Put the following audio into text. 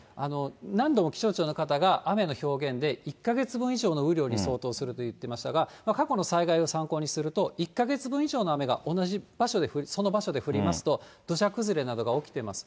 何度も気象庁の方が、雨の表現で、１か月分以上の雨量に相当すると言っていましたが、過去の災害を参考にすると、１か月分以上の雨が同じ場所で、その場所で降りますと、土砂崩れなどが起きています。